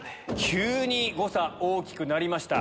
急に誤差大きくなりました。